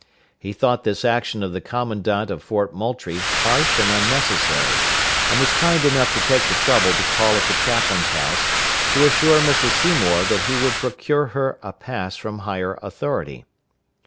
He thought this action of the commandant of Fort Moultrie harsh and unnecessary, and was kind enough to take the trouble to call at the chaplain's house to assure Mrs. Seymour that he would procure her a pass from higher authority.